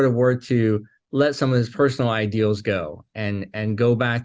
dan jika dia bisa membiarkan beberapa ideolanya pribadi